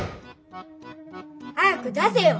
早く出せよ！